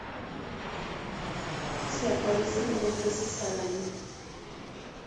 Se aparean dos veces al año.